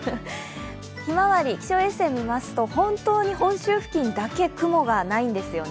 ひまわり、気象衛星を見ますと、本当に本州付近にだけ雲がないんですよね。